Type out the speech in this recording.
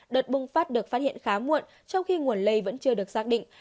đợt bùng phát được phát hiện khá muộn trong khi nguồn lây vẫn chưa được xác định